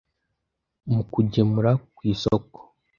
mu kugemura ku isoko,